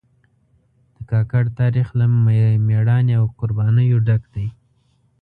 د کاکړ تاریخ له مېړانې او قربانیو ډک دی.